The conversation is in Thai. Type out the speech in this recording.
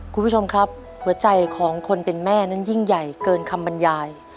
คุณผู้ชมครับหัวใจของคนเป็นแม่นั้นยิ่งใหญ่เกินคำบรรยาย